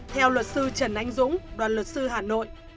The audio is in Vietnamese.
theo luật sư trần anh dũng đoàn luật sư hà nội